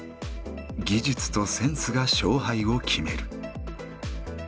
技術とセンスが勝敗を決める。